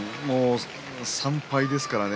３敗ですからね。